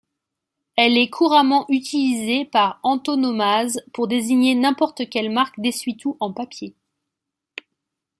Elle est couramment utilisée par antonomase pour désigner n'importe quelle marque d'essuie-tout en papier.